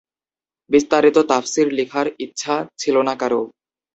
বিস্তারিত তাফসির লিখার ইচ্ছা ছিল না কারো।